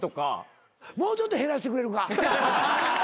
もうちょっと減らしてくれるか？